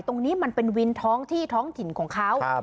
ตรงนี้มันเป็นวินท้องที่ท้องถิ่นของเขา